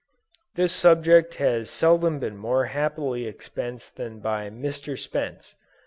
This subject has seldom been more happily expressed than by Mr. Spence.